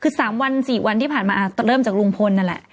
คือสามวันสี่วันที่ผ่านมาเริ่มจากลุงพลนั่นแหละ